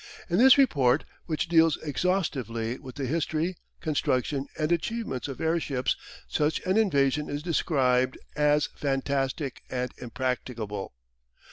In this report, which deals exhaustively with the history, construction and achievements of airships, such an invasion is described as fantastic and impracticable.